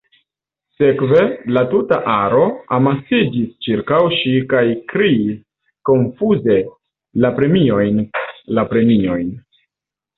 Sekve, la tuta aro amasiĝis ĉirkaŭ ŝi kaj kriis konfuze La premiojn, la premiojn.